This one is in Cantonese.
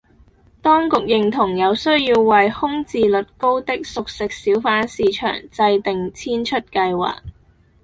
當局認同有需要為空置率高的熟食小販市場制訂遷出計劃